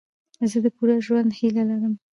زه د پوره ژوند هیله لرم.